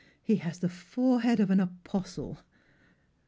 " He has the forehead of an apostle."